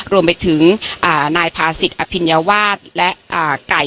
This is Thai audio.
รวมไปถึงอ่านายพาสีดโอปินยาวาดและอ่า